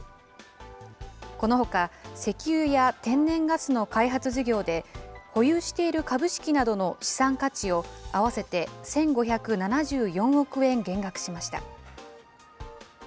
このほか、石油や天然ガスの開発事業で、保有している株式などの資産価値を合わせて１５７４億円減額しました。